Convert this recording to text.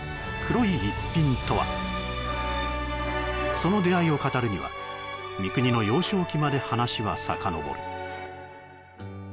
その出会いを語るには三國の幼少期まで話はさかのぼる